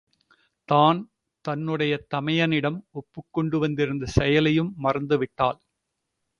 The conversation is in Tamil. தான் தன்னுடைய தமையனிடம் ஒப்புக்கொண்டு வந்திருந்த செயலையும் மறந்துவிட்டாள்.